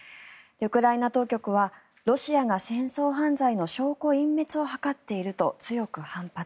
ウクライナ当局はロシアが戦争犯罪の証拠隠滅を図っていると強く反発。